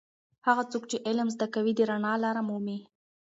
هغه څوک چې علم زده کوي د رڼا لاره مومي.